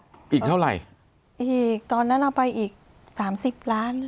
อีกเท่าไหร่อีกตอนนั้นเอาไปอีกสามสิบล้านค่ะ